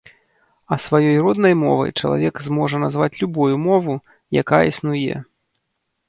А сваёй роднай мовай чалавек зможа назваць любую мову, якая існуе.